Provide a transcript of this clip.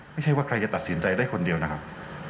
ไม่ใช่ว่าใครจะตัดสินใจได้คนเดียวนะครับ